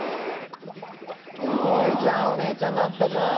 すごいじゃんお姉ちゃんになったじゃん。